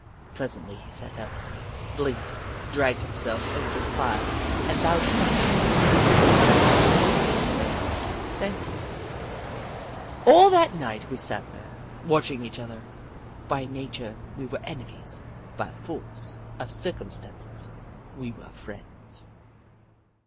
Pre sently he sat up, blinked, dragged himself over to the fire, and bowed twice to me, very gravely, as though to say, " Thank you." All that night we sat there, watching each 212 The Book of Clever Beasts other. By nature we were enemies ; by force of circumstances we were friends.